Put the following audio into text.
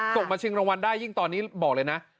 มาชิงรางวัลได้ยิ่งตอนนี้บอกเลยนะ